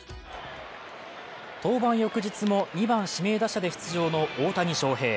登板翌日も２番・指名打者で出場の大谷翔平。